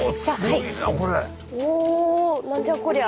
おぉ何じゃこりゃ。